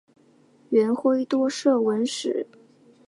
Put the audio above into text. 元晖多涉文史。